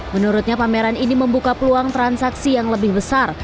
menurutnya pameran ini membuka peluang transaksi yang lebih besar